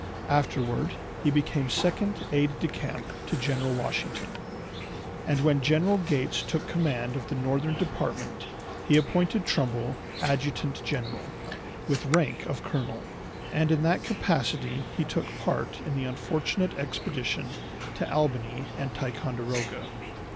Afterward he became second aide de camp to General Washington, and when General Gates took command of the northern department he appointed Trumbull adjutant general, with rank of colonel, and in that capacity he took part in the unfortunate expedition to Albany and Ticonderoga.